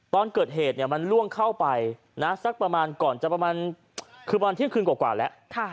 ตอนเกิดเหตุมันล่วงเข้าไปสักประมาณก่อนจะประมาณคือตอนเที่ยงคืนกว่าแล้ว